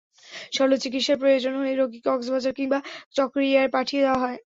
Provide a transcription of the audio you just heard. শল্য চিকিৎসার প্রয়োজন হলে রোগীকে কক্সবাজার কিংবা চকরিয়ায় পাঠিয়ে দেওয়া হয়।